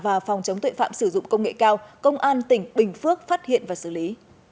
và phòng chống tuệ phạm sử dụng công nghệ cao công an tỉnh bình phước phát hiện và xử lý